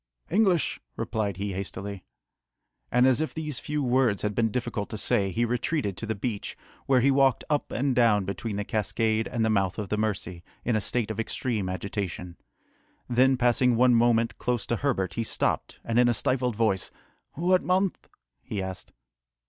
"English," replied he hastily. And as if these few words had been difficult to say, he retreated to the beach, where he walked up and down between the cascade and the mouth of the Mercy, in a state of extreme agitation. Then, passing one moment close to Herbert, he stopped, and in a stifled voice, "What month?" he asked.